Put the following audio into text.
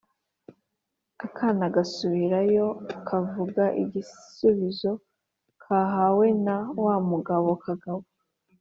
Akana gasubirayo, kavuga igisubizo kahawe na wa mugabo Kagabo.